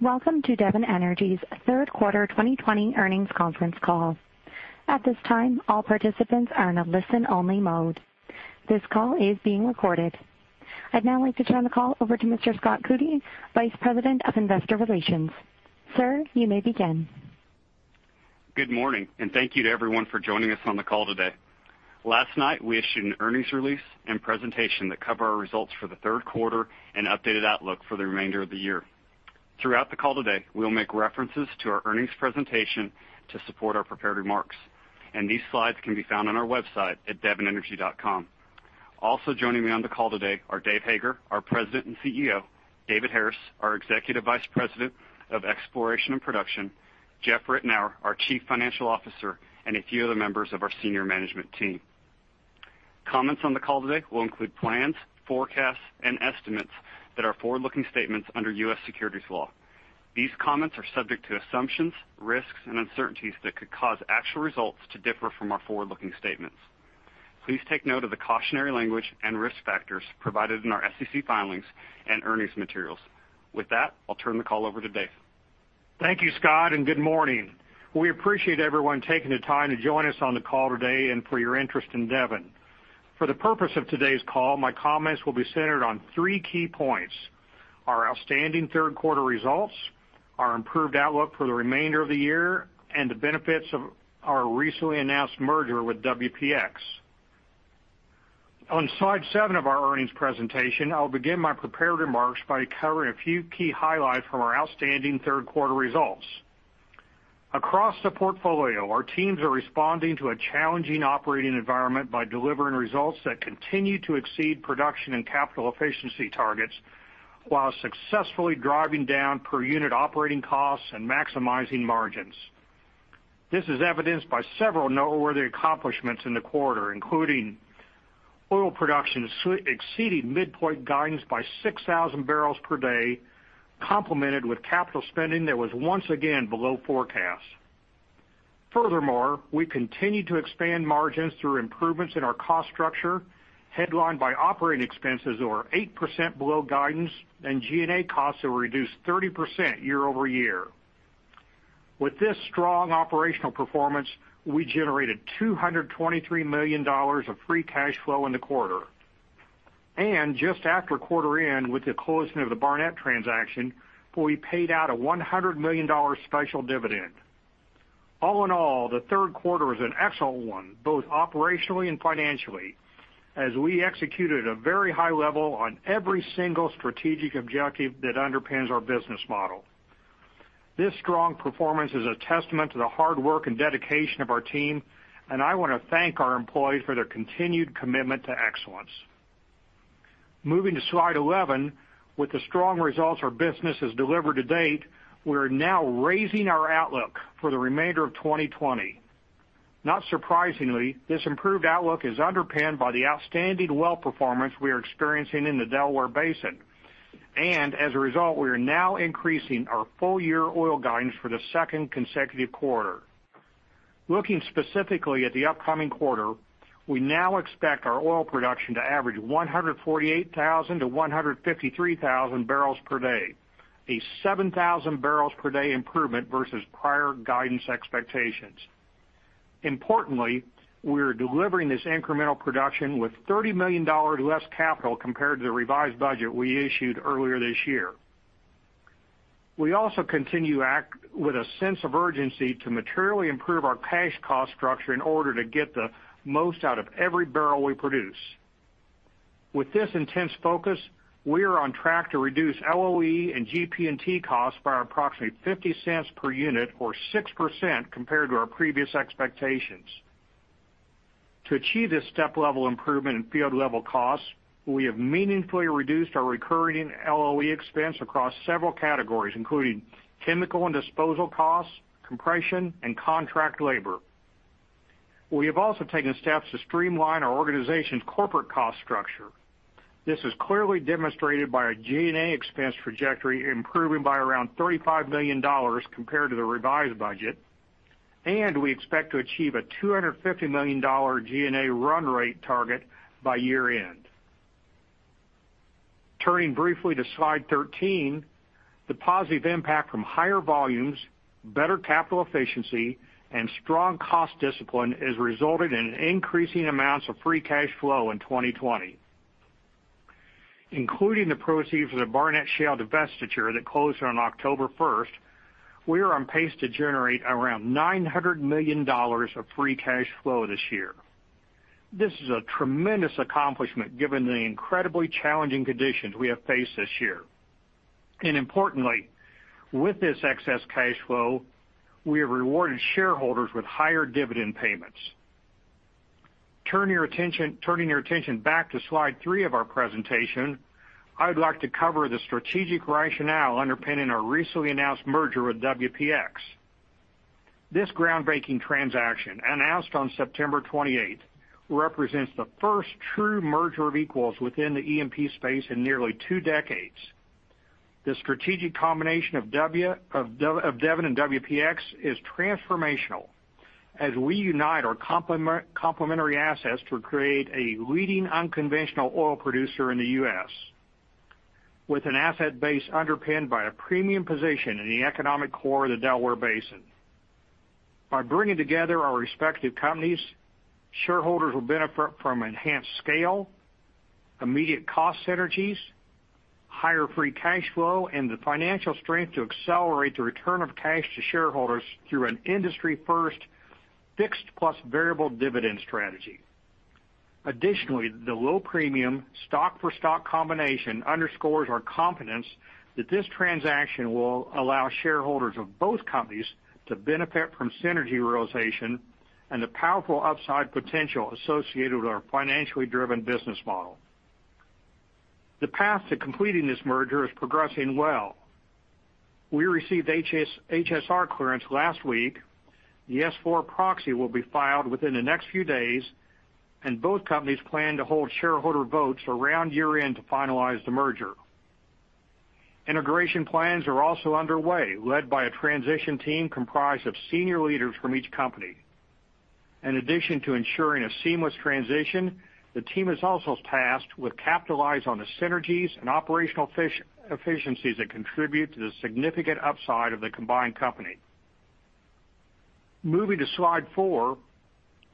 Welcome to Devon Energy's third quarter 2020 earnings conference call. At this time, all participants are in a listen-only mode. This call is being recorded. I'd now like to turn the call over to Mr. Scott Coody, Vice President of Investor Relations. Sir, you may begin. Good morning, and thank you to everyone for joining us on the call today. Last night, we issued an earnings release and presentation that cover our results for the third quarter and updated outlook for the remainder of the year. Throughout the call today, we'll make references to our earnings presentation to support our prepared remarks, and these slides can be found on our website at devonenergy.com. Also joining me on the call today are Dave Hager, our President and CEO, David Harris, our Executive Vice President of Exploration and Production, Jeff Ritenour, our Chief Financial Officer, and a few other members of our senior management team. Comments on the call today will include plans, forecasts, and estimates that are forward-looking statements under U.S. securities law. These comments are subject to assumptions, risks, and uncertainties that could cause actual results to differ from our forward-looking statements. Please take note of the cautionary language and risk factors provided in our SEC filings and earnings materials. With that, I'll turn the call over to Dave. Thank you, Scott. Good morning. We appreciate everyone taking the time to join us on the call today and for your interest in Devon. For the purpose of today's call, my comments will be centered on three key points. Our outstanding third quarter results, our improved outlook for the remainder of the year, and the benefits of our recently announced merger with WPX. On slide seven of our earnings presentation, I'll begin my prepared remarks by covering a few key highlights from our outstanding third quarter results. Across the portfolio, our teams are responding to a challenging operating environment by delivering results that continue to exceed production and capital efficiency targets while successfully driving down per-unit operating costs and maximizing margins. This is evidenced by several noteworthy accomplishments in the quarter, including oil production exceeding midpoint guidance by 6,000 bbl per day, complemented with capital spending that was once again below forecast. Furthermore, we continue to expand margins through improvements in our cost structure, headlined by operating expenses that were 8% below guidance and G&A costs that were reduced 30% year-over-year. With this strong operational performance, we generated $223 million of free cash flow in the quarter. Just after quarter end, with the closing of the Barnett transaction, we paid out a $100 million special dividend. All in all, the third quarter was an excellent one, both operationally and financially, as we executed a very high level on every single strategic objective that underpins our business model. This strong performance is a testament to the hard work and dedication of our team, and I want to thank our employees for their continued commitment to excellence. Moving to slide 11. With the strong results our business has delivered to date, we are now raising our outlook for the remainder of 2020. Not surprisingly, this improved outlook is underpinned by the outstanding well performance we are experiencing in the Delaware Basin. As a result, we are now increasing our full-year oil guidance for the second consecutive quarter. Looking specifically at the upcoming quarter, we now expect our oil production to average 148,000 bbl per day-153,000 bbl per day, a 7,000 bbl per day improvement versus prior guidance expectations. Importantly, we are delivering this incremental production with $30 million less capital compared to the revised budget we issued earlier this year. We also continue to act with a sense of urgency to materially improve our cash cost structure in order to get the most out of every barrel we produce. With this intense focus, we are on track to reduce LOE and GP&T costs by approximately $0.50 per unit, or 6% compared to our previous expectations. To achieve this step-level improvement in field-level costs, we have meaningfully reduced our recurring LOE expense across several categories, including chemical and disposal costs, compression, and contract labor. We have also taken steps to streamline our organization's corporate cost structure. This is clearly demonstrated by our G&A expense trajectory improving by around $35 million compared to the revised budget, and we expect to achieve a $250 million G&A run rate target by year end. Turning briefly to slide 13, the positive impact from higher volumes, better capital efficiency, and strong cost discipline has resulted in increasing amounts of free cash flow in 2020. Including the proceeds of the Barnett Shale divestiture that closed on October 1st, we are on pace to generate around $900 million of free cash flow this year. This is a tremendous accomplishment given the incredibly challenging conditions we have faced this year. Importantly, with this excess cash flow, we have rewarded shareholders with higher dividend payments. Turning your attention back to slide three of our presentation, I would like to cover the strategic rationale underpinning our recently announced merger with WPX. This groundbreaking transaction, announced on September 28th, represents the first true merger of equals within the E&P space in nearly two decades. The strategic combination of Devon and WPX is transformational. As we unite our complementary assets to create a leading unconventional oil producer in the U.S., with an asset base underpinned by a premium position in the economic core of the Delaware Basin. By bringing together our respective companies, shareholders will benefit from enhanced scale, immediate cost synergies, higher free cash flow, and the financial strength to accelerate the return of cash to shareholders through an industry-first fixed plus variable dividend strategy. Additionally, the low premium stock-for-stock combination underscores our confidence that this transaction will allow shareholders of both companies to benefit from synergy realization and the powerful upside potential associated with our financially driven business model. The path to completing this merger is progressing well. We received HSR clearance last week. The S-4 proxy will be filed within the next few days. Both companies plan to hold shareholder votes around year-end to finalize the merger. Integration plans are also underway, led by a transition team comprised of senior leaders from each company. In addition to ensuring a seamless transition, the team is also tasked with capitalizing on the synergies and operational efficiencies that contribute to the significant upside of the combined company. Moving to slide four,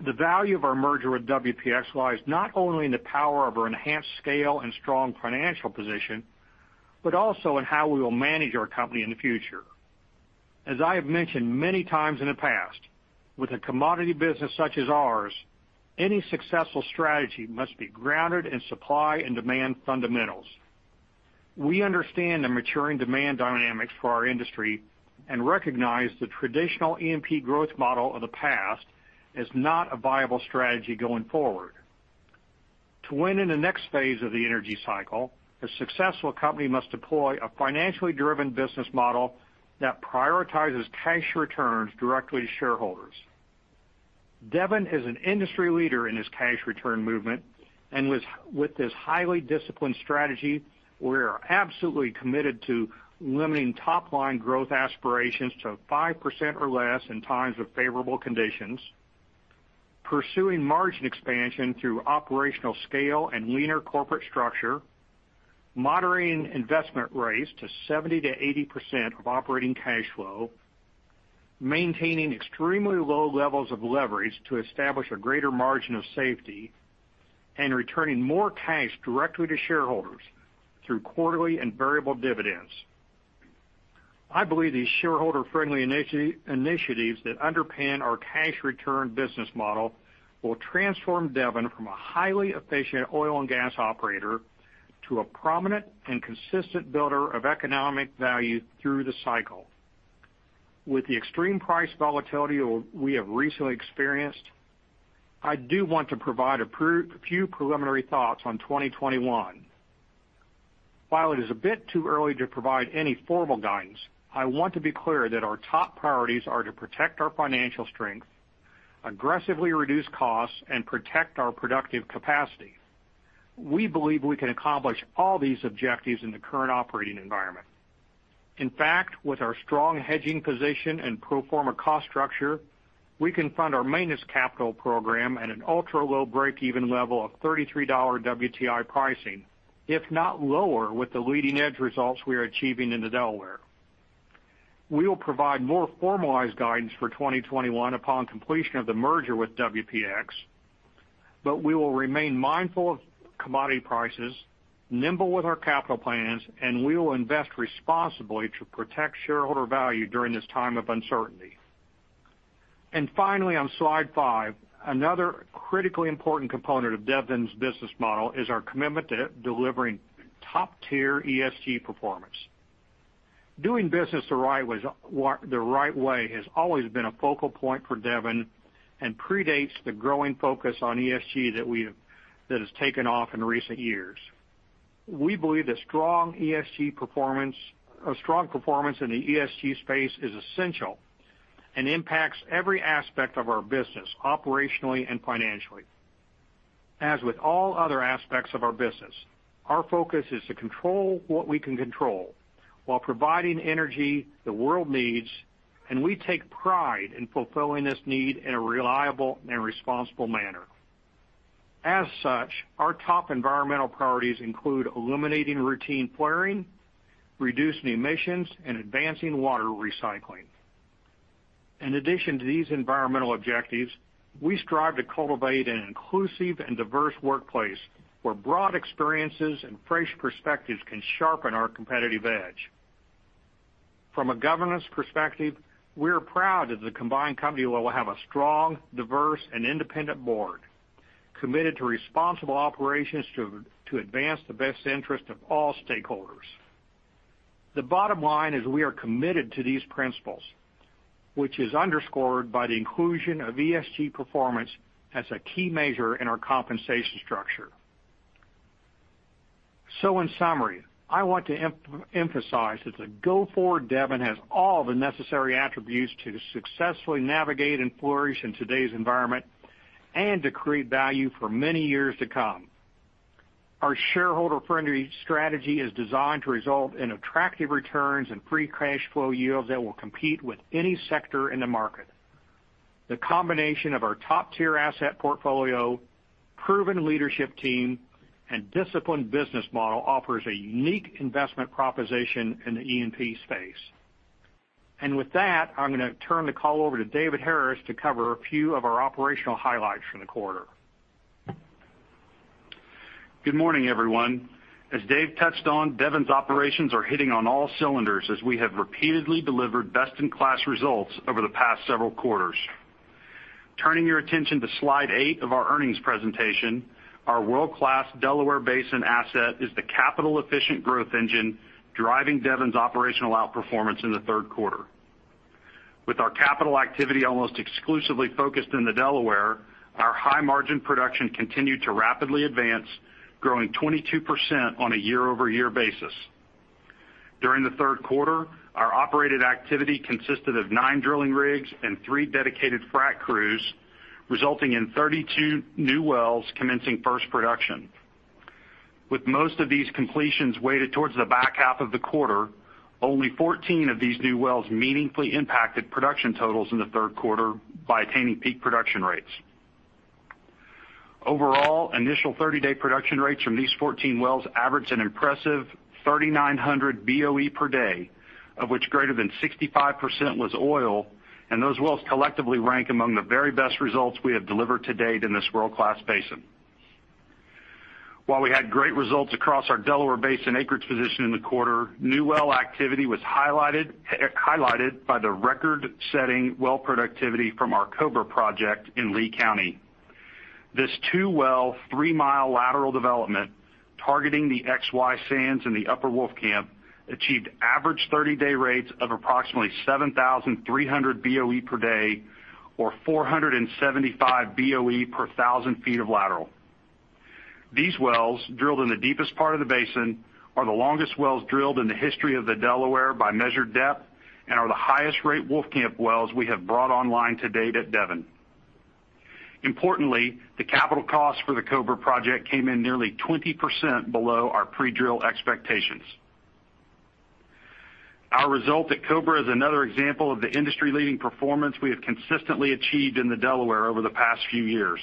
the value of our merger with WPX lies not only in the power of our enhanced scale and strong financial position, but also in how we will manage our company in the future. As I have mentioned many times in the past, with a commodity business such as ours, any successful strategy must be grounded in supply and demand fundamentals. We understand the maturing demand dynamics for our industry and recognize the traditional E&P growth model of the past is not a viable strategy going forward. To win in the next phase of the energy cycle, a successful company must deploy a financially driven business model that prioritizes cash returns directly to shareholders. Devon is an industry leader in this cash return movement, and with this highly disciplined strategy, we are absolutely committed to limiting top-line growth aspirations to 5% or less in times of favorable conditions, pursuing margin expansion through operational scale and leaner corporate structure, moderating investment rates to 70%-80% of operating cash flow, maintaining extremely low levels of leverage to establish a greater margin of safety, and returning more cash directly to shareholders through quarterly and variable dividends. I believe these shareholder-friendly initiatives that underpin our cash return business model will transform Devon from a highly efficient oil and gas operator to a prominent and consistent builder of economic value through the cycle. With the extreme price volatility we have recently experienced, I do want to provide a few preliminary thoughts on 2021. While it is a bit too early to provide any formal guidance, I want to be clear that our top priorities are to protect our financial strength, aggressively reduce costs, and protect our productive capacity. We believe we can accomplish all these objectives in the current operating environment. In fact, with our strong hedging position and pro forma cost structure, we can fund our maintenance capital program at an ultra-low breakeven level of $33 WTI pricing, if not lower, with the leading-edge results we are achieving in the Delaware. We will provide more formalized guidance for 2021 upon completion of the merger with WPX, but we will remain mindful of commodity prices, nimble with our capital plans, and we will invest responsibly to protect shareholder value during this time of uncertainty. Finally, on slide five, another critically important component of Devon's business model is our commitment to delivering top-tier ESG performance. Doing business the right way has always been a focal point for Devon and predates the growing focus on ESG that has taken off in recent years. We believe a strong performance in the ESG space is essential and impacts every aspect of our business, operationally and financially. As with all other aspects of our business, our focus is to control what we can control while providing energy the world needs, and we take pride in fulfilling this need in a reliable and responsible manner. As such, our top environmental priorities include eliminating routine flaring, reducing emissions, and advancing water recycling. In addition to these environmental objectives, we strive to cultivate an inclusive and diverse workplace where broad experiences and fresh perspectives can sharpen our competitive edge. From a governance perspective, we are proud that the combined company will have a strong, diverse, and independent board, committed to responsible operations to advance the best interest of all stakeholders. The bottom line is we are committed to these principles, which is underscored by the inclusion of ESG performance as a key measure in our compensation structure. In summary, I want to emphasize that the go-forward Devon has all the necessary attributes to successfully navigate and flourish in today's environment and to create value for many years to come. Our shareholder-friendly strategy is designed to result in attractive returns and free cash flow yields that will compete with any sector in the market. The combination of our top-tier asset portfolio, proven leadership team, and disciplined business model offers a unique investment proposition in the E&P space. With that, I'm going to turn the call over to David Harris to cover a few of our operational highlights from the quarter. Good morning, everyone. As Dave touched on, Devon's operations are hitting on all cylinders as we have repeatedly delivered best-in-class results over the past several quarters. Turning your attention to slide eight of our earnings presentation, our world-class Delaware Basin asset is the capital-efficient growth engine driving Devon's operational outperformance in the third quarter. With our capital activity almost exclusively focused in the Delaware, our high-margin production continued to rapidly advance, growing 22% on a year-over-year basis. During the third quarter, our operated activity consisted of nine drilling rigs and three dedicated frack crews, resulting in 32 new wells commencing first production. With most of these completions weighted towards the back half of the quarter, only 14 of these new wells meaningfully impacted production totals in the third quarter by attaining peak production rates. Overall, initial 30-day production rates from these 14 wells averaged an impressive 3,900 BOE per day, of which greater than 65% was oil, and those wells collectively rank among the very best results we have delivered to date in this world-class basin. While we had great results across our Delaware Basin acreage position in the quarter, new well activity was highlighted by the record-setting well productivity from our Cobra project in Lea County. This two-well, 3 mi lateral development, targeting the XY sands in the Upper Wolfcamp, achieved average 30-day rates of approximately 7,300 BOE per day, or 475 BOE per 1,000 ft of lateral. These wells, drilled in the deepest part of the basin, are the longest wells drilled in the history of the Delaware by measured depth and are the highest rate Wolfcamp wells we have brought online to date at Devon. Importantly, the capital cost for the Cobra project came in nearly 20% below our pre-drill expectations. Our result at Cobra is another example of the industry-leading performance we have consistently achieved in the Delaware over the past few years.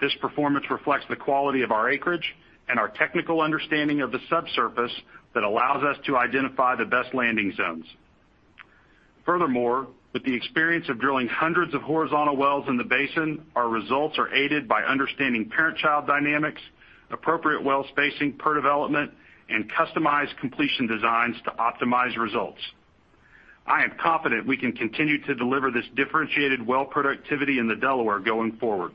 This performance reflects the quality of our acreage and our technical understanding of the subsurface that allows us to identify the best landing zones. Furthermore, with the experience of drilling hundreds of horizontal wells in the basin, our results are aided by understanding parent-child dynamics, appropriate well spacing per development, and customized completion designs to optimize results. I am confident we can continue to deliver this differentiated well productivity in the Delaware going forward.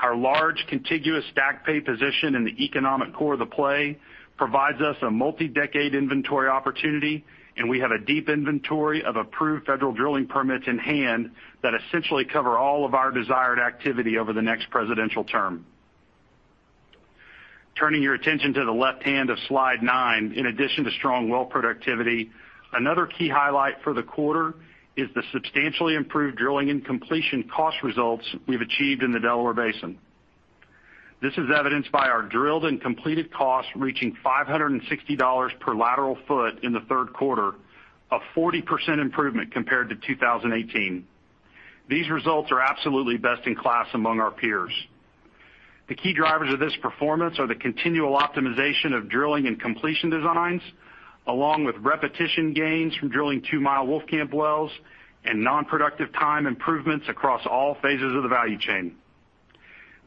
Our large, contiguous stack pay position in the economic core of the play provides us a multi-decade inventory opportunity, and we have a deep inventory of approved federal drilling permits in hand that essentially cover all of our desired activity over the next presidential term. Turning your attention to the left-hand of slide nine, in addition to strong well productivity, another key highlight for the quarter is the substantially improved drilling and completion cost results we've achieved in the Delaware Basin. This is evidenced by our drilled and completed costs reaching $560 per lateral foot in the third quarter, a 40% improvement compared to 2018. These results are absolutely best in class among our peers. The key drivers of this performance are the continual optimization of drilling and completion designs, along with repetition gains from drilling 2 mi Wolfcamp wells and non-productive time improvements across all phases of the value chain.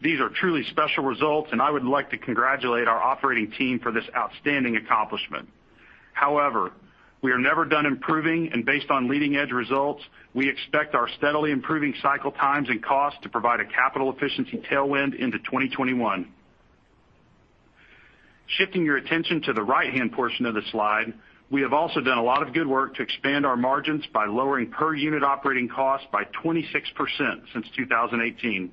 These are truly special results, and I would like to congratulate our operating team for this outstanding accomplishment. However, we are never done improving, and based on leading-edge results, we expect our steadily improving cycle times and costs to provide a capital efficiency tailwind into 2021. Shifting your attention to the right-hand portion of the slide, we have also done a lot of good work to expand our margins by lowering per-unit operating costs by 26% since 2018.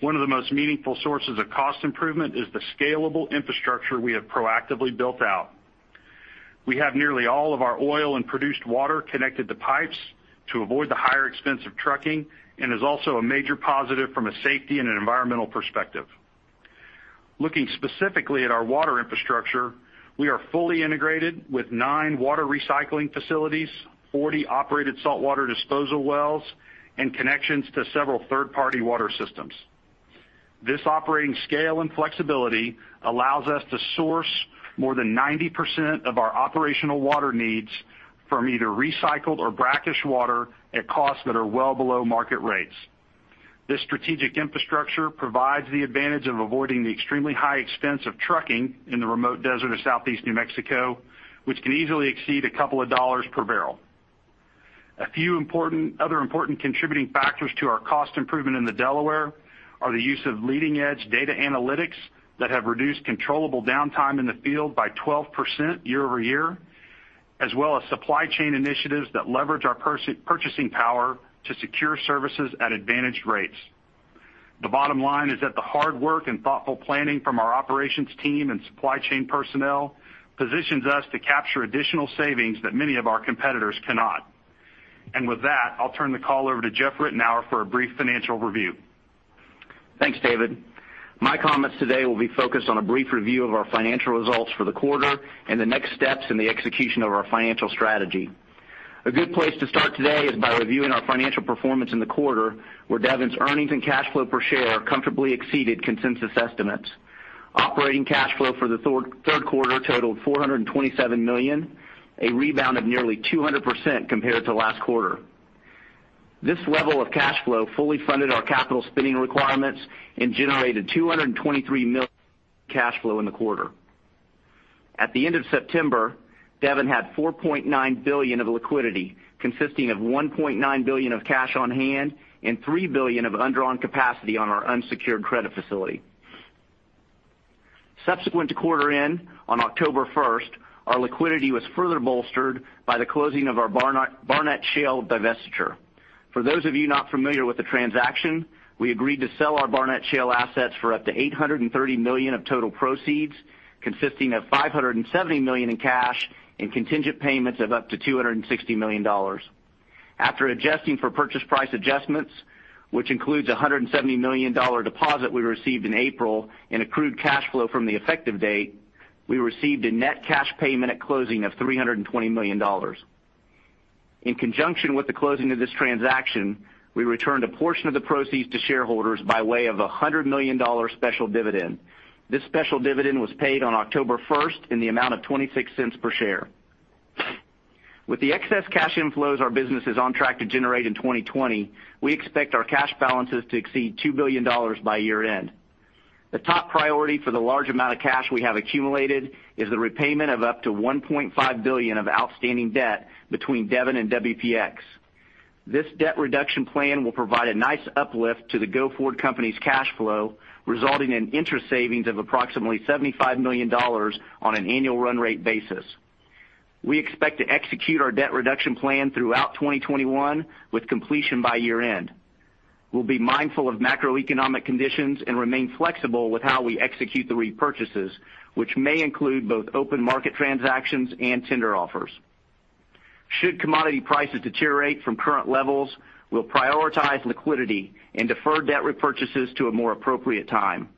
One of the most meaningful sources of cost improvement is the scalable infrastructure we have proactively built out. We have nearly all of our oil and produced water connected to pipes to avoid the higher expense of trucking, and is also a major positive from a safety and an environmental perspective. Looking specifically at our water infrastructure, we are fully integrated with nine water recycling facilities, 40 operated saltwater disposal wells, and connections to several third-party water systems. This operating scale and flexibility allows us to source more than 90% of our operational water needs from either recycled or brackish water at costs that are well below market rates. This strategic infrastructure provides the advantage of avoiding the extremely high expense of trucking in the remote desert of Southeast New Mexico, which can easily exceed a couple of dollars per barrel. A few other important contributing factors to our cost improvement in the Delaware are the use of leading-edge data analytics that have reduced controllable downtime in the field by 12% year-over-year, as well as supply chain initiatives that leverage our purchasing power to secure services at advantaged rates. The bottom line is that the hard work and thoughtful planning from our operations team and supply chain personnel positions us to capture additional savings that many of our competitors cannot. With that, I'll turn the call over to Jeff Ritenour for a brief financial review. Thanks, David. My comments today will be focused on a brief review of our financial results for the quarter and the next steps in the execution of our financial strategy. A good place to start today is by reviewing our financial performance in the quarter, where Devon's earnings and cash flow per share comfortably exceeded consensus estimates. Operating cash flow for the third quarter totaled $427 million, a rebound of nearly 200% compared to last quarter. This level of cash flow fully funded our capital spending requirements and generated $223 million cash flow in the quarter. At the end of September, Devon had $4.9 billion of liquidity, consisting of $1.9 billion of cash on hand and $3 billion of undrawn capacity on our unsecured credit facility. Subsequent to quarter end, on October 1st, our liquidity was further bolstered by the closing of our Barnett Shale divestiture. For those of you not familiar with the transaction, we agreed to sell our Barnett Shale assets for up to $830 million of total proceeds, consisting of $570 million in cash and contingent payments of up to $260 million. After adjusting for purchase price adjustments, which includes $170 million deposit we received in April and accrued cash flow from the effective date, we received a net cash payment at closing of $320 million. In conjunction with the closing of this transaction, we returned a portion of the proceeds to shareholders by way of $100 million special dividend. This special dividend was paid on October 1st in the amount of $0.26 per share. With the excess cash inflows our business is on track to generate in 2020, we expect our cash balances to exceed $2 billion by year-end. The top priority for the large amount of cash we have accumulated is the repayment of up to $1.5 billion of outstanding debt between Devon and WPX. This debt reduction plan will provide a nice uplift to the go-forward company's cash flow, resulting in interest savings of approximately $75 million on an annual run rate basis. We expect to execute our debt reduction plan throughout 2021, with completion by year-end. We'll be mindful of macroeconomic conditions and remain flexible with how we execute the repurchases, which may include both open market transactions and tender offers. Should commodity prices deteriorate from current levels, we'll prioritize liquidity and defer debt repurchases to a more appropriate time.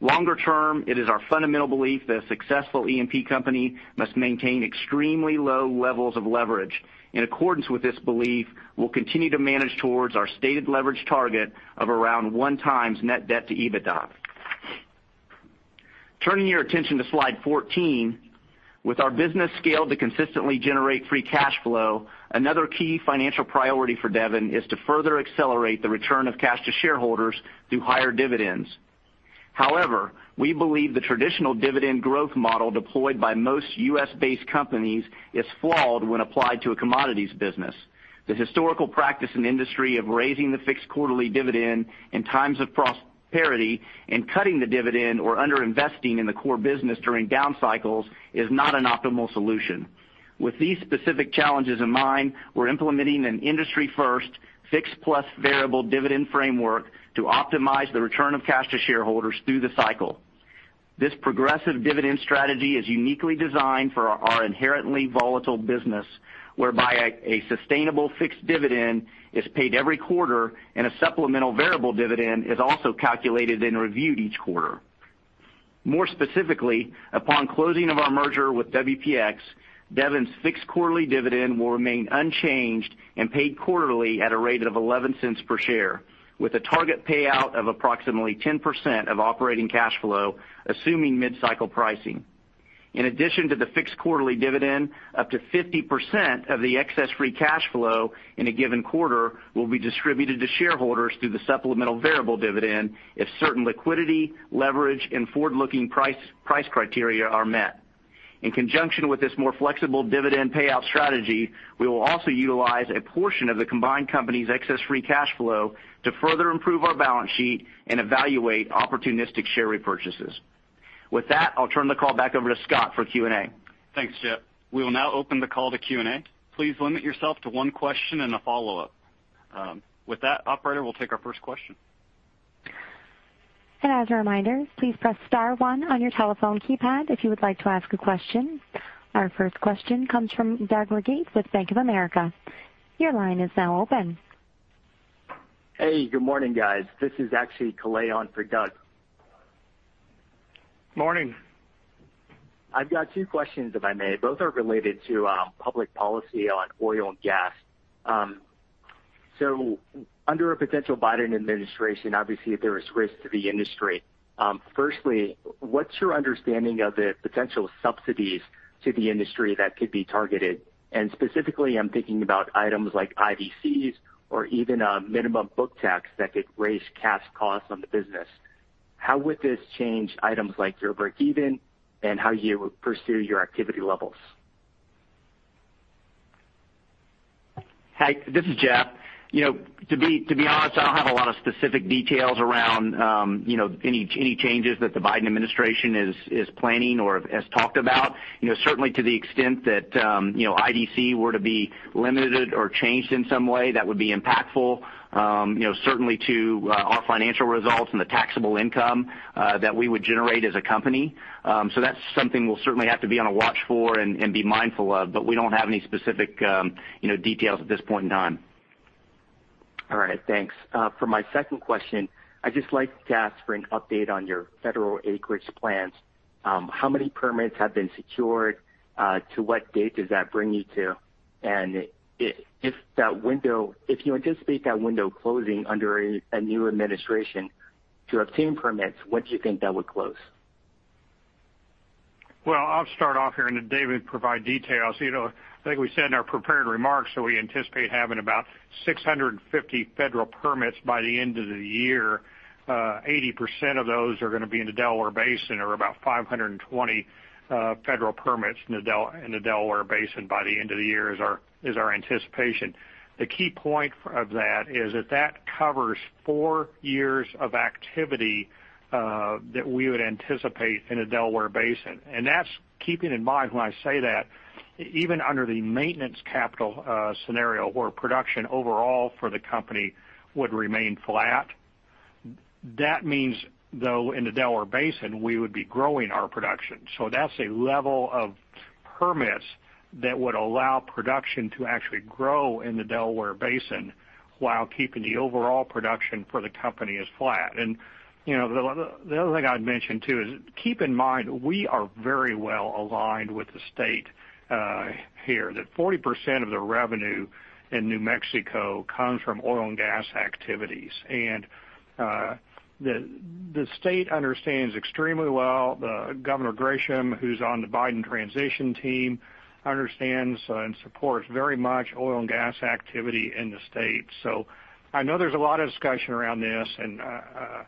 Longer term, it is our fundamental belief that a successful E&P company must maintain extremely low levels of leverage. In accordance with this belief, we'll continue to manage towards our stated leverage target of around 1x net debt to EBITDA. Turning your attention to slide 14, with our business scale to consistently generate free cash flow, another key financial priority for Devon is to further accelerate the return of cash to shareholders through higher dividends. However, we believe the traditional dividend growth model deployed by most U.S.-based companies is flawed when applied to a commodities business. The historical practice in the industry of raising the fixed quarterly dividend in times of prosperity and cutting the dividend or under-investing in the core business during down cycles is not an optimal solution. With these specific challenges in mind, we're implementing an industry-first fixed-plus-variable dividend framework to optimize the return of cash to shareholders through the cycle. This progressive dividend strategy is uniquely designed for our inherently volatile business, whereby a sustainable fixed dividend is paid every quarter, and a supplemental variable dividend is also calculated and reviewed each quarter. More specifically, upon closing of our merger with WPX, Devon's fixed quarterly dividend will remain unchanged and paid quarterly at a rate of $0.11 per share, with a target payout of approximately 10% of operating cash flow, assuming mid-cycle pricing. In addition to the fixed quarterly dividend, up to 50% of the excess free cash flow in a given quarter will be distributed to shareholders through the supplemental variable dividend if certain liquidity, leverage, and forward-looking price criteria are met. In conjunction with this more flexible dividend payout strategy, we will also utilize a portion of the combined company's excess free cash flow to further improve our balance sheet and evaluate opportunistic share repurchases. With that, I'll turn the call back over to Scott for Q&A. Thanks, Jeff. We will now open the call to Q&A. Please limit yourself to one question and a follow-up. With that, operator, we'll take our first question. As a reminder, please press star one on your telephone keypad if you would like to ask a question. Our first question comes from Doug Leggate with Bank of America. Your line is now open. Hey, good morning, guys. This is actually Kalei on for Doug. Morning. I've got two questions, if I may. Both are related to public policy on oil and gas. Under a potential Biden administration, obviously, there is risk to the industry. Firstly, what's your understanding of the potential subsidies to the industry that could be targeted? Specifically, I'm thinking about items like IDCs or even a minimum book tax that could raise cash costs on the business. How would this change items like your breakeven and how you pursue your activity levels? Hi, this is Jeff. To be honest, I don't have a lot of specific details around any changes that the Biden administration is planning or has talked about. Certainly, to the extent that IDC were to be limited or changed in some way, that would be impactful certainly to our financial results and the taxable income that we would generate as a company. That's something we'll certainly have to be on a watch for and be mindful of, but we don't have any specific details at this point in time. All right. Thanks. For my second question, I'd just like to ask for an update on your federal acreage plans. How many permits have been secured? To what date does that bring you to? If you anticipate that window closing under a new administration to obtain permits, when do you think that would close? Well, I'll start off here, and then David will provide details. I think we said in our prepared remarks that we anticipate having about 650 federal permits by the end of the year. 80% of those are going to be in the Delaware Basin, or about 520 federal permits in the Delaware Basin by the end of the year is our anticipation. The key point of that is that covers four years of activity that we would anticipate in the Delaware Basin. That's keeping in mind when I say that, even under the maintenance capital scenario where production overall for the company would remain flat. That means, though, in the Delaware Basin, we would be growing our production. That's a level of permits that would allow production to actually grow in the Delaware Basin while keeping the overall production for the company as flat. The other thing I'd mention too is, keep in mind, we are very well aligned with the state here, that 40% of the revenue in New Mexico comes from oil and gas activities. The state understands extremely well. Governor Grisham, who's on the Biden transition team, understands and supports very much oil and gas activity in the state. I know there's a lot of discussion around this, and I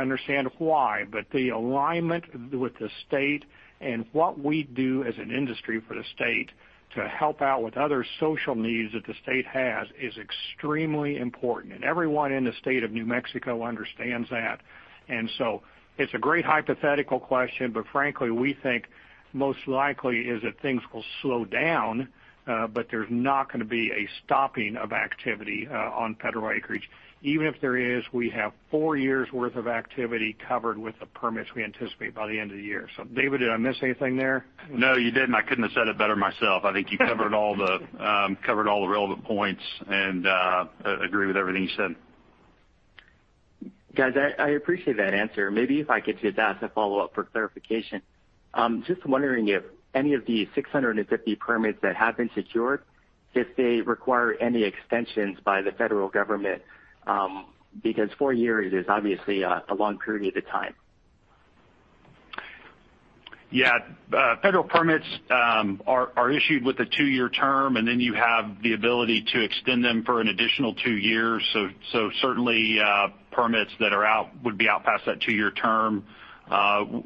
understand why, but the alignment with the state and what we do as an industry for the state to help out with other social needs that the state has is extremely important. Everyone in the state of New Mexico understands that. It's a great hypothetical question, but frankly, we think most likely is that things will slow down, but there's not going to be a stopping of activity on federal acreage. Even if there is, we have four years' worth of activity covered with the permits we anticipate by the end of the year. David, did I miss anything there? No, you didn't. I couldn't have said it better myself. I think you covered all the relevant points, and I agree with everything you said. Guys, I appreciate that answer. Maybe if I could just ask a follow-up for clarification. I'm just wondering if any of the 650 permits that have been secured, if they require any extensions by the federal government, because four years is obviously a long period of time. Yeah. Federal permits are issued with a two-year term, and then you have the ability to extend them for an additional two years. Certainly, permits that would be out past that two-year term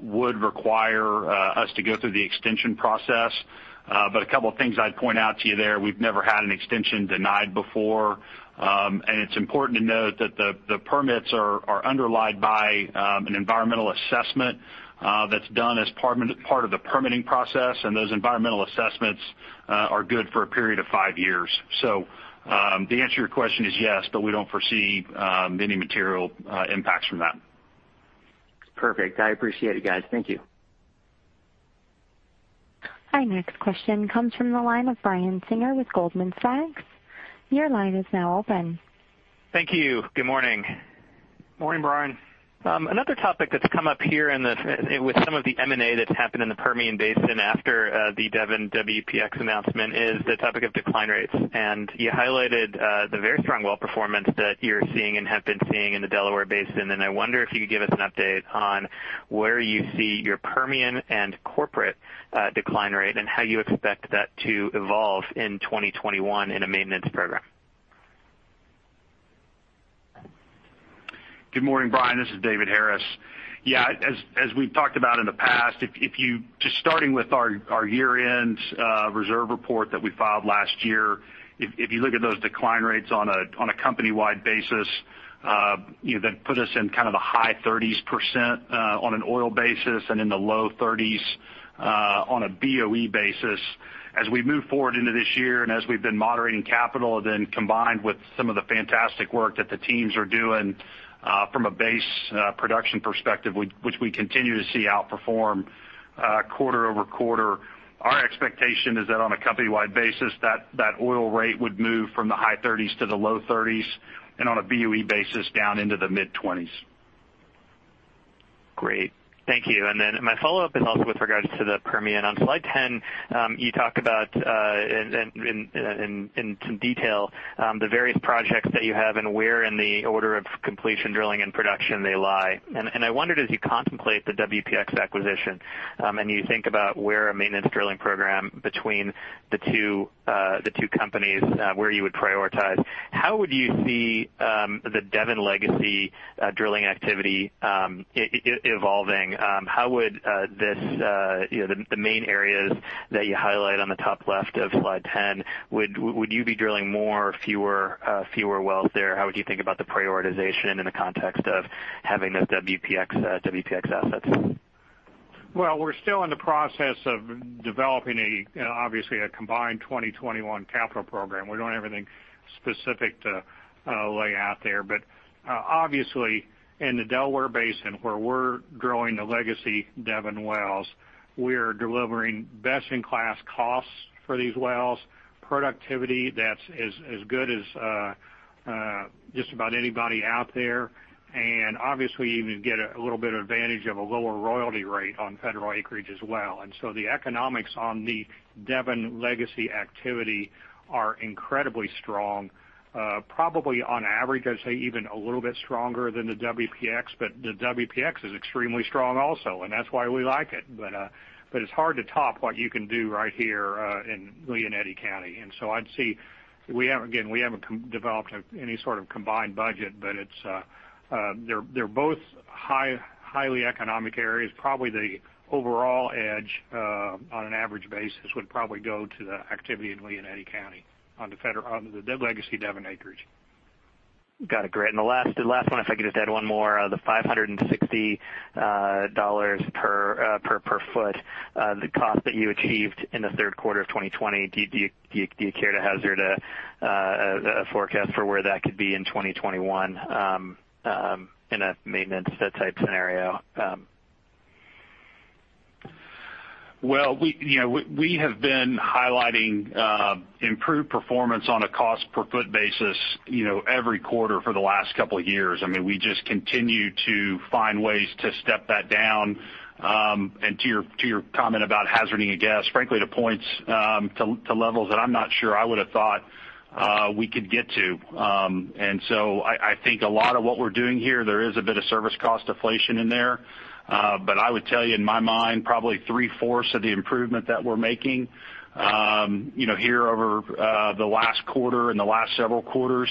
would require us to go through the extension process. A couple of things I'd point out to you there, we've never had an extension denied before. It's important to note that the permits are underlied by an environmental assessment that's done as part of the permitting process, and those environmental assessments are good for a period of five years. The answer to your question is yes, but we don't foresee any material impacts from that. Perfect. I appreciate it, guys. Thank you. Our next question comes from the line of Brian Singer with Goldman Sachs. Thank you. Good morning. Morning, Brian. Another topic that's come up here with some of the M&A that's happened in the Permian Basin after the Devon-WPX announcement is the topic of decline rates. You highlighted the very strong well performance that you're seeing and have been seeing in the Delaware Basin. I wonder if you could give us an update on where you see your Permian and corporate decline rate, and how you expect that to evolve in 2021 in a maintenance program. Good morning, Brian. This is David Harris. Yeah. As we've talked about in the past, just starting with our year-end reserve report that we filed last year, if you look at those decline rates on a company-wide basis, that put us in kind of the high 30s% on an oil basis and in the low 30s on a BOE basis. As we move forward into this year and as we've been moderating capital, then combined with some of the fantastic work that the teams are doing from a base production perspective, which we continue to see outperform quarter-over-quarter, our expectation is that on a company-wide basis, that oil rate would move from the high 30s to the low 30s, and on a BOE basis, down into the mid-20s. Great. Thank you. My follow-up is also with regards to the Permian. On slide 10, you talk about, in some detail, the various projects that you have and where in the order of completion, drilling, and production they lie. I wondered, as you contemplate the WPX acquisition, and you think about where a maintenance drilling program between the two companies, where you would prioritize, how would you see the Devon legacy drilling activity evolving? How would the main areas that you highlight on the top left of slide 10, would you be drilling more or fewer wells there? How would you think about the prioritization in the context of having those WPX assets? Well, we're still in the process of developing, obviously, a combined 2021 capital program. We don't have anything specific to lay out there, but obviously, in the Delaware Basin, where we're growing the legacy Devon wells, we are delivering best-in-class costs for these wells, productivity that's as good as just about anybody out there, and obviously even get a little bit of advantage of a lower royalty rate on federal acreage as well. The economics on the Devon legacy activity are incredibly strong. Probably on average, I'd say even a little bit stronger than the WPX, but the WPX is extremely strong also, and that's why we like it. It's hard to top what you can do right here in Lea and Eddy County. Again, we haven't developed any sort of combined budget, but they're both highly economic areas. Probably the overall edge, on an average basis, would probably go to the activity in Lea and Eddy County on the legacy Devon acreage. Got it. Great. The last one, if I could just add one more. The $560 per foot, the cost that you achieved in the third quarter of 2020, do you care to hazard a forecast for where that could be in 2021 in a maintenance fit type scenario? We have been highlighting improved performance on a cost per foot basis every quarter for the last couple of years. We just continue to find ways to step that down. To your comment about hazarding a guess, frankly, to levels that I'm not sure I would've thought we could get to. I think a lot of what we're doing here, there is a bit of service cost deflation in there. I would tell you, in my mind, probably three-fourths of the improvement that we're making here over the last quarter and the last several quarters,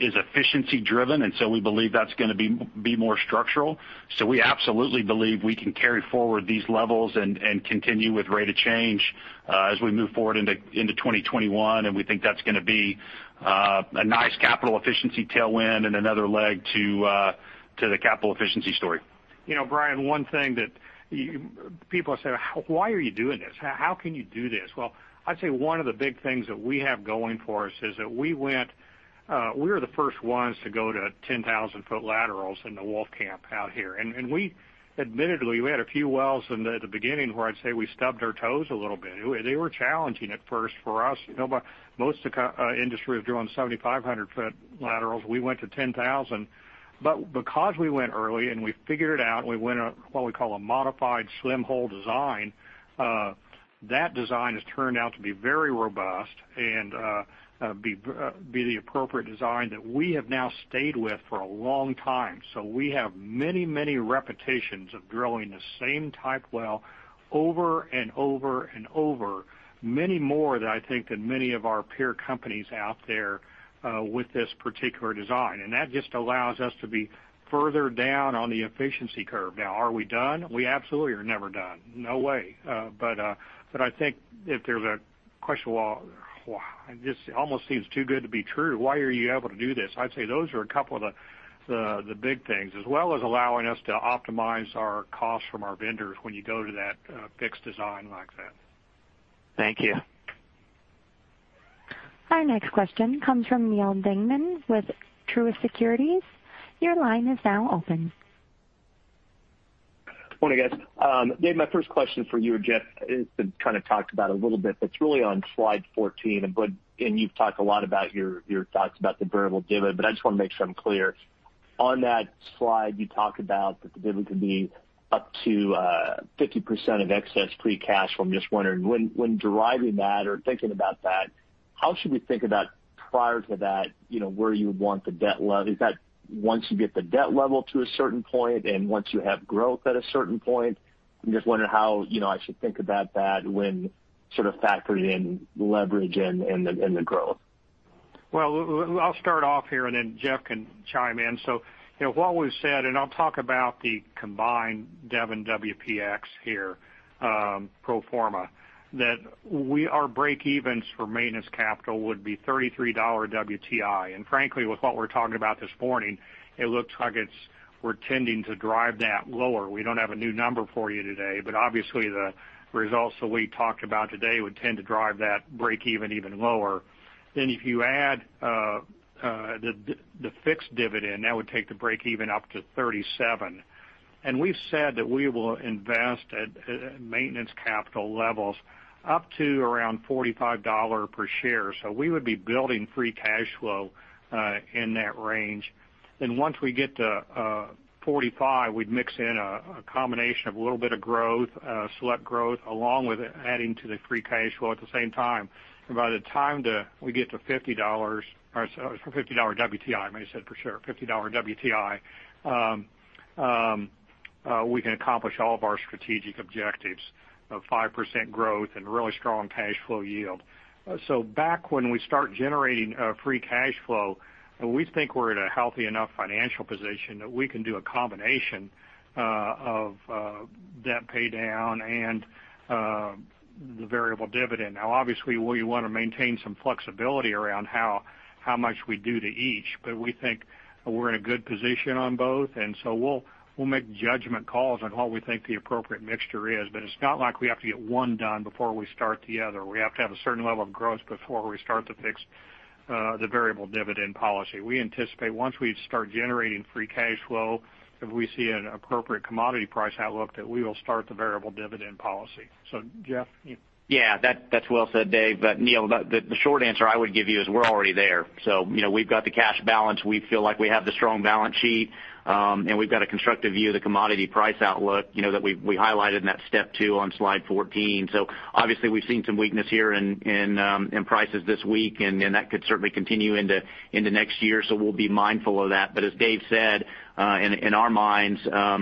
is efficiency driven. We believe that's going to be more structural. We absolutely believe we can carry forward these levels and continue with rate of change as we move forward into 2021. We think that's going to be a nice capital efficiency tailwind and another leg to the capital efficiency story. Brian, one thing that people say, "Why are you doing this? How can you do this?" Well, I'd say one of the big things that we have going for us is that we were the first ones to go to 10,000-ft laterals in the Wolfcamp out here. Admittedly, we had a few wells in the beginning where I'd say we stubbed our toes a little bit. They were challenging at first for us. Most of the industry was drilling 7,500-ft laterals. We went to 10,000. Because we went early, and we figured it out, and we went what we call a modified slim hole design, that design has turned out to be very robust and be the appropriate design that we have now stayed with for a long time. We have many repetitions of drilling the same type well over and over, many more, I think, than many of our peer companies out there with this particular design. That just allows us to be further down on the efficiency curve. Now, are we done? We absolutely are never done. No way. I think if there's a question, well, this almost seems too good to be true. Why are you able to do this? I'd say those are a couple of the big things, as well as allowing us to optimize our costs from our vendors when you go to that fixed design like that. Thank you. Our next question comes from Neal Dingmann with Truist Securities. Your line is now open. Morning, guys. Dave, my first question for you or Jeff has been kind of talked about a little bit, but it's really on slide 14. You've talked a lot about your thoughts about the variable dividend, but I just want to make sure I'm clear. On that slide, you talked about that the dividend could be up to 50% of excess free cash flow. I'm just wondering, when deriving that or thinking about that, how should we think about prior to that, where you want the debt level? Is that once you get the debt level to a certain point and once you have growth at a certain point? I'm just wondering how I should think about that when factoring in leverage and the growth. I'll start off here, and then Jeff can chime in. What we've said, and I'll talk about the combined Devon-WPX here pro forma, that our breakevens for maintenance capital would be $33 WTI. Frankly, with what we're talking about this morning, it looks like we're tending to drive that lower. We don't have a new number for you today, but obviously the results that we talked about today would tend to drive that breakeven even lower. If you add the fixed dividend, that would take the breakeven up to $37. We've said that we will invest at maintenance capital levels up to around $45 per share. We would be building free cash flow in that range. Once we get to $45, we'd mix in a combination of a little bit of growth, select growth, along with adding to the free cash flow at the same time. By the time we get to $50 WTI, we can accomplish all of our strategic objectives of 5% growth and really strong cash flow yield. Back when we start generating free cash flow, we think we're at a healthy enough financial position that we can do a combination of debt paydown and the variable dividend. Obviously, we want to maintain some flexibility around how much we do to each, but we think we're in a good position on both. We'll make judgment calls on what we think the appropriate mixture is. It's not like we have to get one done before we start the other. We have to have a certain level of growth before we start to fix the variable dividend policy. We anticipate once we start generating free cash flow, if we see an appropriate commodity price outlook, that we will start the variable dividend policy. Jeff? Yeah. That's well said, Dave. Neal, the short answer I would give you is we're already there. We've got the cash balance. We feel like we have the strong balance sheet. We've got a constructive view of the commodity price outlook, that we highlighted in that step two on slide 14. Obviously we've seen some weakness here in prices this week, and that could certainly continue into next year. We'll be mindful of that. As Dave said, in our minds,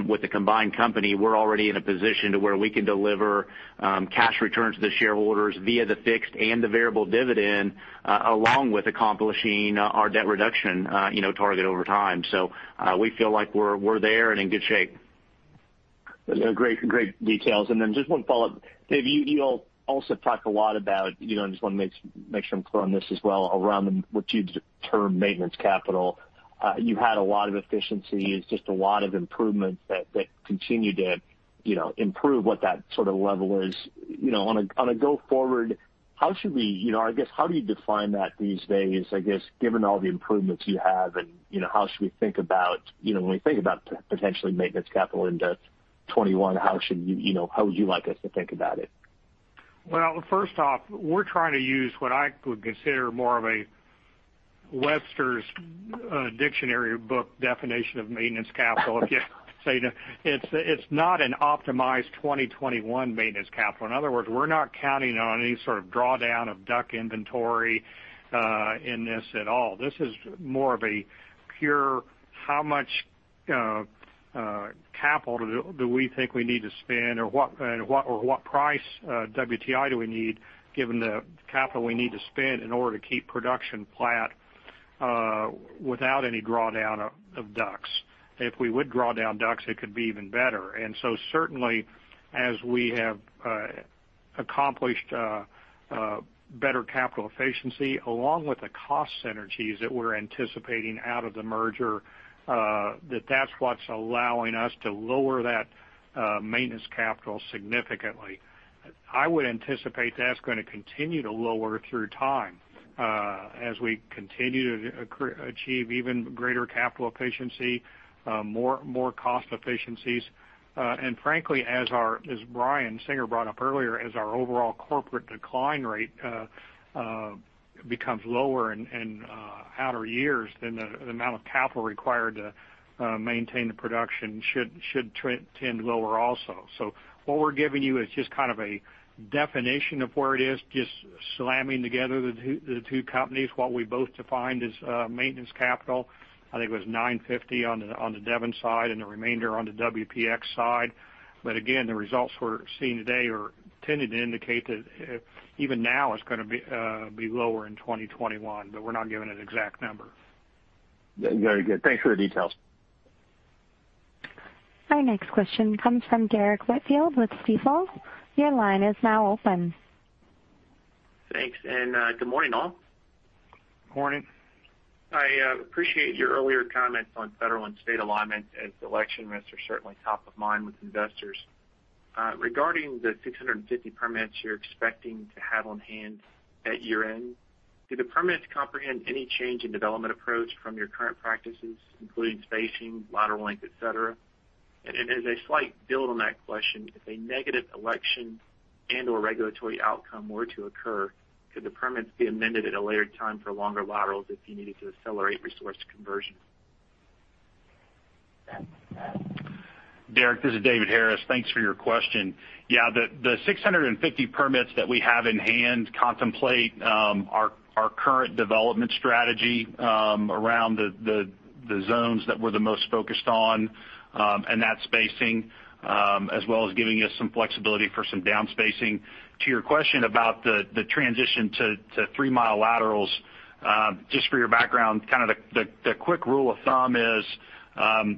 with the combined company, we're already in a position to where we can deliver cash returns to the shareholders via the fixed and the variable dividend, along with accomplishing our debt reduction target over time. We feel like we're there and in good shape. Great details. Just one follow-up, Dave, you all also talked a lot about, and just want to make sure I'm clear on this as well, around what you'd term maintenance capital. You had a lot of efficiencies, just a lot of improvements that continue to improve what that sort of level is. On a go forward, how do you define that these days, I guess, given all the improvements you have, and when we think about potentially maintenance capital in 2021, how would you like us to think about it? Well, first off, we're trying to use what I would consider more of a Webster's Dictionary book definition of maintenance capital. You say that it's not an optimized 2021 maintenance capital. In other words, we're not counting on any sort of drawdown of DUC inventory in this at all. This is more of a pure, how much capital do we think we need to spend or what price WTI do we need given the capital we need to spend in order to keep production flat without any drawdown of DUCs? We would draw down DUCs, it could be even better. Certainly as we have accomplished better capital efficiency, along with the cost synergies that we're anticipating out of the merger, that's what's allowing us to lower that maintenance capital significantly. I would anticipate that's going to continue to lower through time as we continue to achieve even greater capital efficiency, more cost efficiencies. Frankly, as Brian Singer brought up earlier, as our overall corporate decline rate becomes lower in outer years, then the amount of capital required to maintain the production should tend lower also. What we're giving you is just kind of a definition of where it is, just slamming together the two companies. What we both defined as maintenance capital, I think it was 950 on the Devon side and the remainder on the WPX side. Again, the results we're seeing today are tending to indicate that even now it's going to be lower in 2021, but we're not giving an exact number. Very good. Thanks for the details. Our next question comes from Derrick Whitfield with Stifel. Your line is now open. Thanks, and good morning, all. Morning. I appreciate your earlier comments on federal and state alignment as election risks are certainly top of mind with investors. Regarding the 650 permits you're expecting to have on hand at year-end, do the permits comprehend any change in development approach from your current practices, including spacing, lateral length, et cetera? As a slight build on that question, if a negative election and/or regulatory outcome were to occur, could the permits be amended at a later time for longer laterals if you needed to accelerate resource conversion? Derrick, this is David Harris. Thanks for your question. Yeah, the 650 permits that we have in hand contemplate our current development strategy around the zones that we're the most focused on, and that spacing, as well as giving us some flexibility for some down spacing. To your question about the transition to 3 mi laterals, just for your background, the quick rule of thumb is,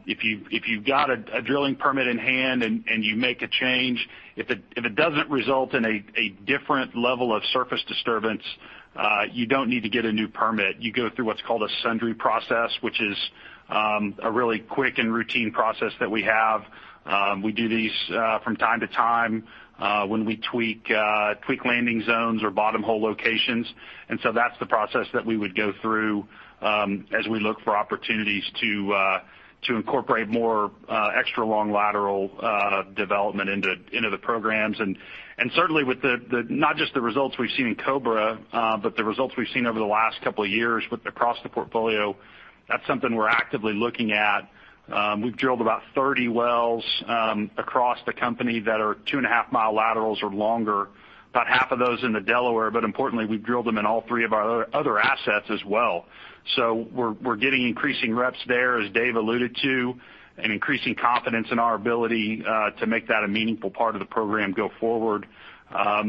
if you've got a drilling permit in hand and you make a change, if it doesn't result in a different level of surface disturbance, you don't need to get a new permit. You go through what's called a sundry process, which is a really quick and routine process that we have. We do these from time to time when we tweak landing zones or bottom hole locations. That's the process that we would go through as we look for opportunities to incorporate more extra-long lateral development into the programs. Certainly with not just the results we've seen in Cobra, but the results we've seen over the last couple of years across the portfolio, that's something we're actively looking at. We've drilled about 30 wells across the company that are 2.5 mi laterals or longer, about half of those in the Delaware. Importantly, we've drilled them in all three of our other assets as well. We're getting increasing reps there, as Dave alluded to, and increasing confidence in our ability to make that a meaningful part of the program go forward. I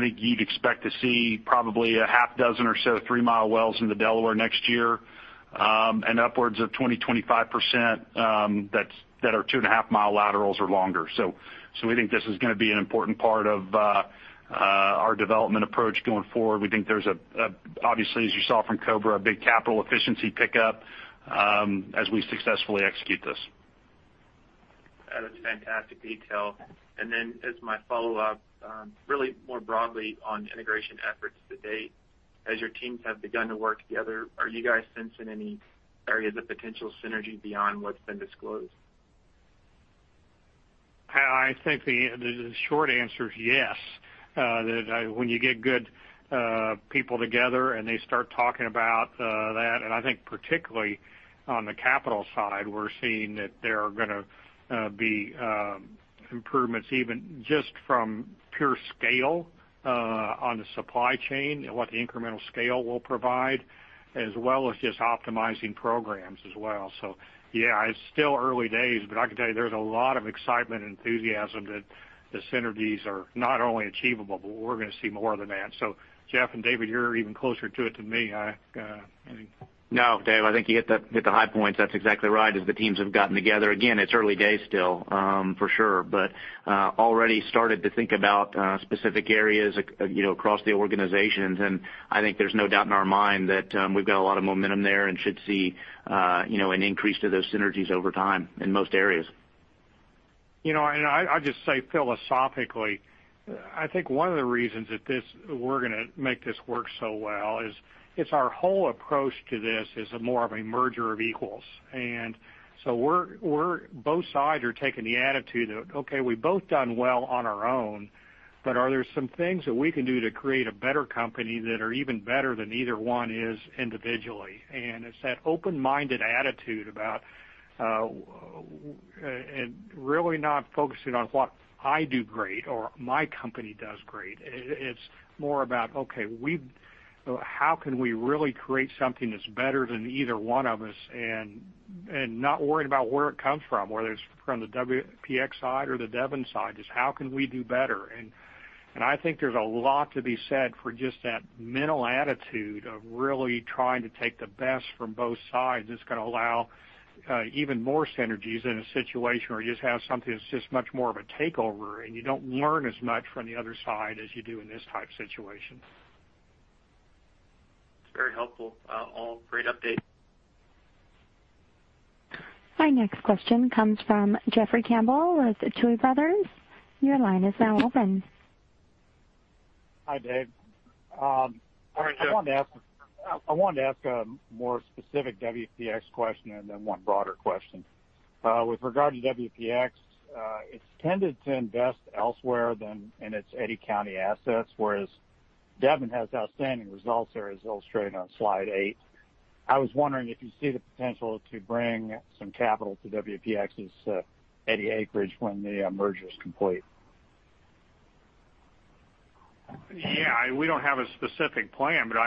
think you'd expect to see probably a half dozen or so of 3 mi wells in the Delaware next year, and upwards of 20%-25% that are 2.5 mi laterals or longer. We think this is going to be an important part of our development approach going forward. We think there's obviously, as you saw from Cobra, a big capital efficiency pickup as we successfully execute this. That's fantastic detail. Then as my follow-up, really more broadly on integration efforts to date, as your teams have begun to work together, are you guys sensing any areas of potential synergy beyond what's been disclosed? I think the short answer is yes. That when you get good people together, and they start talking about that, and I think particularly on the capital side, we're seeing that there are going to be improvements even just from pure scale on the supply chain and what the incremental scale will provide, as well as just optimizing programs as well. Yeah, it's still early days, but I can tell you there's a lot of excitement and enthusiasm that the synergies are not only achievable, but we're going to see more than that. Jeff and David, you're even closer to it than me. I think. Dave, I think you hit the high points. That's exactly right. The teams have gotten together, again, it's early days still for sure. Already started to think about specific areas across the organizations. I think there's no doubt in our mind that we've got a lot of momentum there and should see an increase to those synergies over time in most areas. I'll just say philosophically, I think one of the reasons that we're going to make this work so well is it's our whole approach to this is more of a merger of equals. Both sides are taking the attitude of, okay, we've both done well on our own, but are there some things that we can do to create a better company that are even better than either one is individually? It's that open-minded attitude about really not focusing on what I do great or my company does great. It's more about, okay, how can we really create something that's better than either one of us? Not worrying about where it comes from, whether it's from the WPX side or the Devon side, just how can we do better? I think there's a lot to be said for just that mental attitude of really trying to take the best from both sides. It's going to allow even more synergies in a situation where you just have something that's just much more of a takeover, and you don't learn as much from the other side as you do in this type situation. It's very helpful. All great updates. Our next question comes from Jeffrey Campbell with the Tuohy Brothers. Your line is now open. Hi, Dave. Hi, Jeff. I wanted to ask a more specific WPX question, and then one broader question. With regard to WPX, it's tended to invest elsewhere than in its Eddy County assets, whereas Devon has outstanding results there, as illustrated on slide eight. I was wondering if you see the potential to bring some capital to WPX's Eddy acreage when the merger is complete. Yeah. We don't have a specific plan, but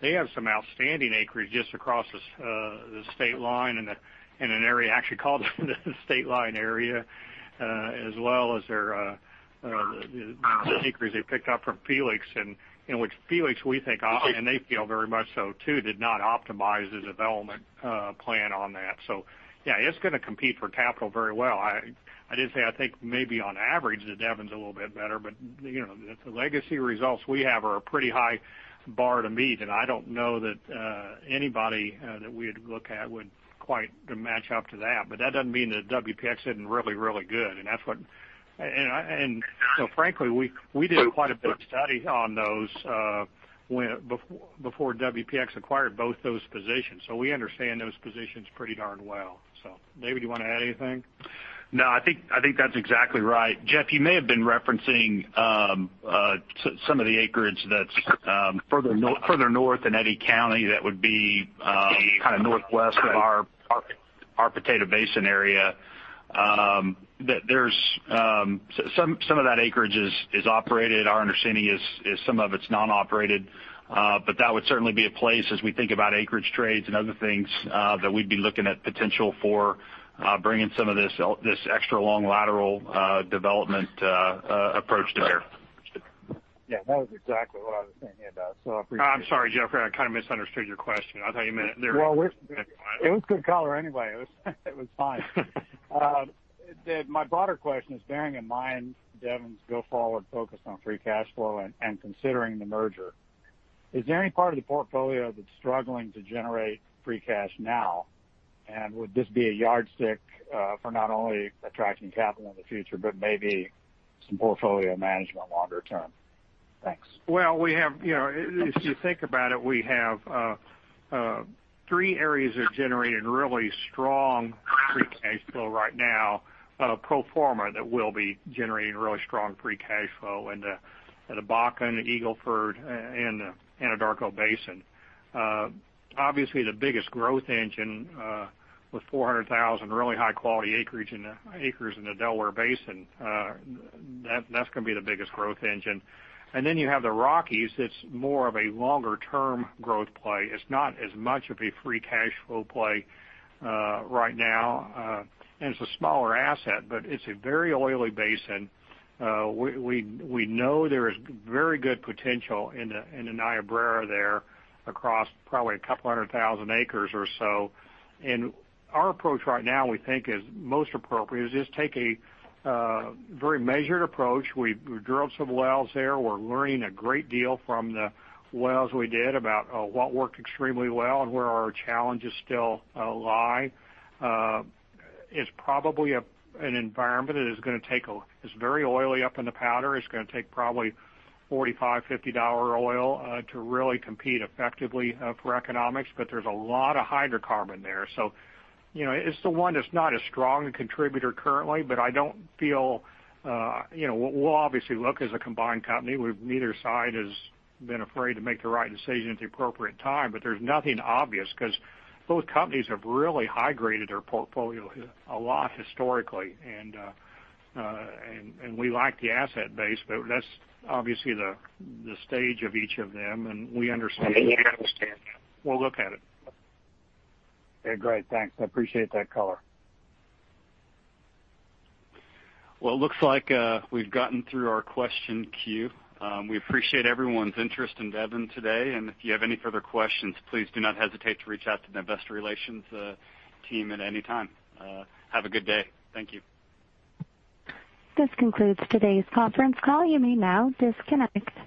they have some outstanding acreage just across the state line in an area actually called the State Line area, as well as their acreage they picked up from Felix, and which Felix, we think, and they feel very much so too, did not optimize the development plan on that. Yeah, it's going to compete for capital very well. I did say I think maybe on average that Devon's a little bit better, but the legacy results we have are a pretty high bar to meet, and I don't know that anybody that we'd look at would quite match up to that. That doesn't mean that WPX isn't really, really good. Frankly, we did quite a bit of study on those before WPX acquired both those positions. We understand those positions pretty darn well. David, you want to add anything? No, I think that's exactly right. Jeff, you may have been referencing some of the acreage that's further north in Eddy County that would be kind of northwest of our Potato Basin area. Some of that acreage is operated. Our understanding is some of it's non-operated. That would certainly be a place as we think about acreage trades and other things that we'd be looking at potential for bringing some of this extra long lateral development approach to there. Understood. Yeah, that was exactly what I was thinking about, so I appreciate it. I'm sorry, Jeffrey, I kind of misunderstood your question. I thought you meant there. Well, it was good color anyway. It was fine. Dave, my broader question is, bearing in mind Devon's go-forward focus on free cash flow and considering the merger, is there any part of the portfolio that's struggling to generate free cash now? Would this be a yardstick for not only attracting capital in the future, but maybe some portfolio management longer term? Thanks. If you think about it, we have three areas that are generating really strong free cash flow right now, pro forma, that will be generating really strong free cash flow in the Bakken, the Eagle Ford, and the Anadarko Basin. The biggest growth engine with 400,000 really high-quality acreage in the Delaware Basin. That's going to be the biggest growth engine. You have the Rockies. It's more of a longer-term growth play. It's not as much of a free cash flow play right now, and it's a smaller asset, but it's a very oily basin. We know there is very good potential in the Niobrara there across probably a couple of 100,000 acres or so, our approach right now we think is most appropriate is just take a very measured approach. We drilled some wells there. We're learning a great deal from the wells we did about what worked extremely well and where our challenges still lie. It's probably an environment that is going to take it's very oily up in the Powder. It's going to take probably $45, $50 oil to really compete effectively for economics. There's a lot of hydrocarbon there. It's the one that's not a strong contributor currently. We'll obviously look as a combined company. Neither side has been afraid to make the right decision at the appropriate time. There's nothing obvious because both companies have really high-graded their portfolio a lot historically. We like the asset base, but that's obviously the stage of each of them, and we understand that. We'll look at it. Yeah, great. Thanks. I appreciate that color. Well, it looks like we've gotten through our question queue. We appreciate everyone's interest in Devon today, and if you have any further questions, please do not hesitate to reach out to the Investor Relations team at any time. Have a good day. Thank you. This concludes today's conference call. You may now disconnect.